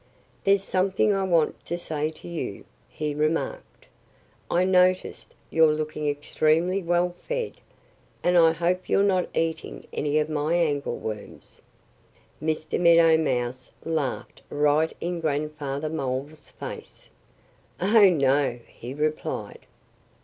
"There's something I want to say to you," he remarked. "I notice you're looking extremely well fed. And I hope you're not eating any of my angleworms." Mr. Meadow Mouse laughed right in Grandfather Mole's face. "Oh, no!" he replied.